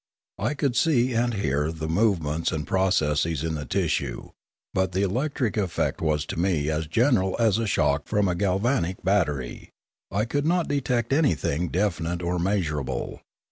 I could see and hear the move ments and processes in the tissue, but the electric effect was to me as general as a shock from a galvanic battery ; I could not detect anything definite or measur able.